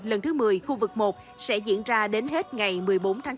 lần thứ một mươi khu vực một sẽ diễn ra đến hết ngày một mươi bốn tháng bốn